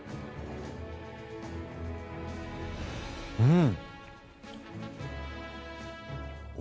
うん。